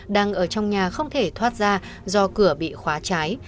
đang ở trong nhà không thể thoát ra do cửa bị khóa cháy